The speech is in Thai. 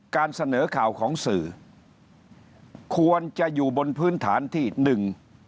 การเสนอข่าวของสื่อควรจะอยู่บนพื้นฐานที่หนึ่ง